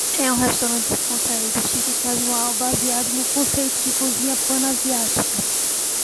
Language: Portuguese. É um restaurante descontraído, chique e casual baseado num conceito de cozinha Pan-Asiática.